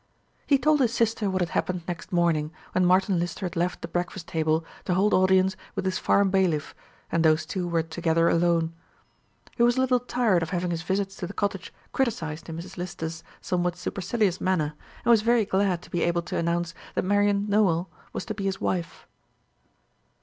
He told his sister what had happened next morning, when Martin Lister had left the breakfast table to hold audience with his farm bailiff, and those two were together alone. He was a little tired of having his visits to the cottage criticised in Mrs. Lister's somewhat supercilious manner, and was very glad to be able to announce that Marian Nowell was to be his wife.